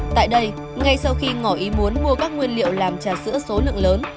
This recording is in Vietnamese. tại đây ngay sau khi ngỏ ý muốn mua các nguyên liệu làm trà sữa số lượng lớn